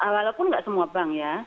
walaupun nggak semua bank ya